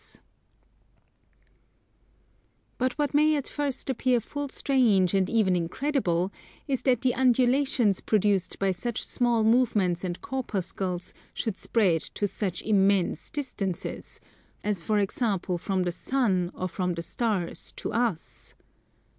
But what may at first appear full strange and even incredible is that the undulations produced by such small movements and corpuscles, should spread to such immense distances; as for example from the Sun or from the Stars to us.